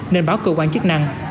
nên báo cơ quan chức năng